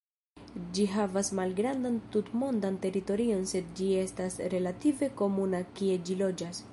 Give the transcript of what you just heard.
Ĝi havas malgrandan tutmondan teritorion sed ĝi estas relative komuna kie ĝi loĝas.